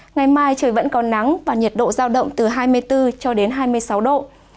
ngày mai trời vẫn có nắng và nhiệt độ giao động từ hai mươi bốn cho đến hai mươi sáu độ